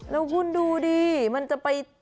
แล้วคุณดูดิมันจะไป